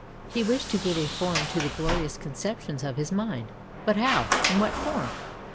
He wished to give a form to the glorious conceptions of his mind, but how, and what form